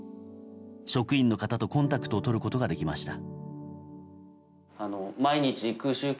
職員の方とコンタクトをとることができました。